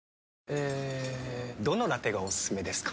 えどのラテがおすすめですか？